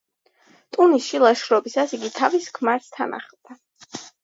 ტუნისში ლაშქრობისას იგი თავის ქმარს თან ახლდა.